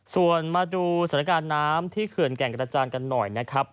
ส่วนมาดูสถานการณ์น้ำที่เขื่อนแก่งกระจานกันหน่อยนะครับ